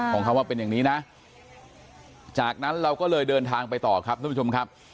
ของเขาว่าเป็นอย่างนี้นะจากนั้นเราก็เลยเดินทางไปต่อครับท่านผู้ชมครับ